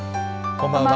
こんばんは。